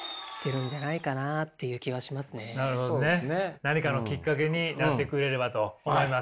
何かのきっかけになってくれればと思います。